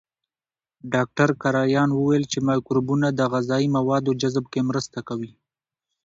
ډاکټر کرایان وویل چې مایکروبونه د غذایي موادو جذب کې مرسته کوي.